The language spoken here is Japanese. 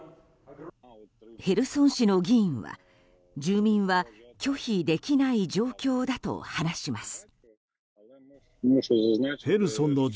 ヘルソン市の議員は、住民は拒否できない状況だと話します。